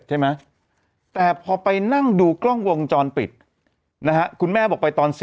ใช่ไหมแต่พอไปนั่งดูกล้องวงจรปิดนะฮะคุณแม่บอกไปตอน๔